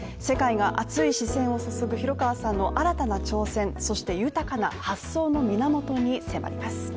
世界が熱い視線を注ぐ廣川さんの新たな挑戦、そして、豊かな発想の源に迫ります。